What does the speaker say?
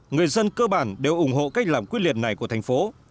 người dân cơ bản đều ủng hộ cách làm quyết liệt này của thành phố